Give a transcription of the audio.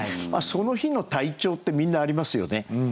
その日の体調ってみんなありますよね。